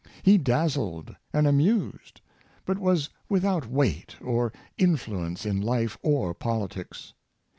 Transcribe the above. He dazzled and amused, but was with out weight or influence in life or politics.